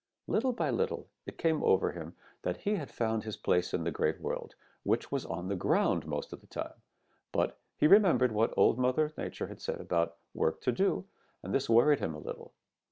"Little by little it came over him that he had found his place in the Great World, which was on the ground most of the time. But he remembered what Old Mother Nature had said about work to do, and this worried him a little.